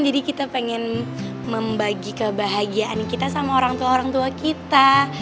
jadi kita pengen membagi kebahagiaan kita sama orang tua orang tua kita